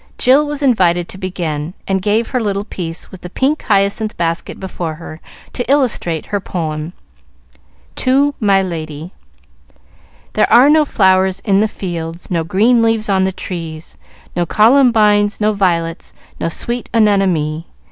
Jill was invited to begin, and gave her little piece, with the pink hyacinth basket before her, to illustrate her poem. "TO MY LADY "There are no flowers in the fields, No green leaves on the tree, No columbines, no violets, No sweet anemone.